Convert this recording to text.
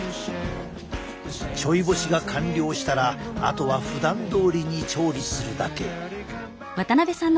ちょい干しが完了したらあとはふだんどおりに調理するだけ。